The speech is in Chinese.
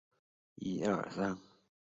以下时间为南美标准时间。